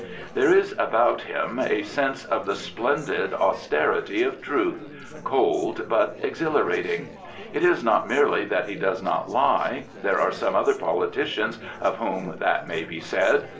There is about him a sense of the splendid austerity of truth — cold, but exhilarating. It is not Imerely that he does not lie. There are some other politicians of whom that may be said.